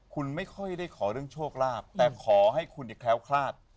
คุณไม่ค่อยได้ขอเรื่องโชคลาภแต่ขอให้คุณอย่าแคล้วคลาด